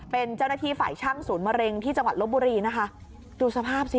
เป็นเจ้าหน้าที่ฝ่ายช่างศูนย์มะเร็งที่จังหวัดลบบุรีนะคะดูสภาพสิ